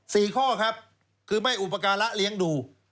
สี่ข้อครับคือไม่อุปการะเลี้ยงดู